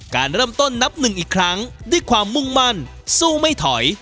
การเริ่มต้นนับหนึ่งอีกครั้งด้วยความมุ่งมั่นสู้ไม่ถอย